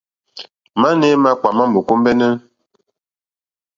Mane makpà ma mò kombεnε.